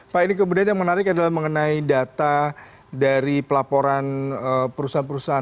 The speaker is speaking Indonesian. pak ini kemudian yang menarik adalah mengenai data dari pelaporan perusahaan perusahaan